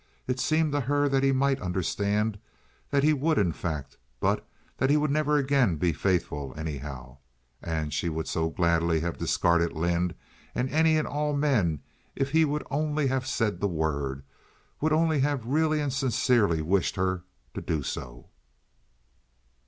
It seemed to her that he might understand—that he would, in fact—but that he would never again be faithful, anyhow. And she would so gladly have discarded Lynde and any and all men if he would only have said the word, would only have really and sincerely wished her to do so.